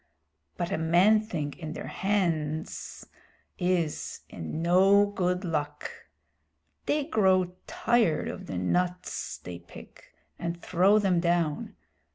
But a man thing in their hands is in no good luck. They grow tired of the nuts they pick, and throw them down.